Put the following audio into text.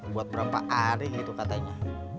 buat berapa hari itu katanya